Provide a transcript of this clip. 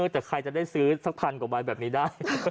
แต่ใครจะได้ซื้อสักพันกว่าใบแบบนี้ได้